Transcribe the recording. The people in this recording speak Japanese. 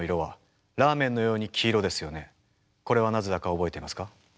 これはなぜだか覚えていますか？